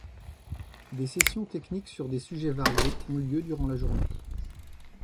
Des sessions techniques sur des sujets variés ont lieu durant la journée.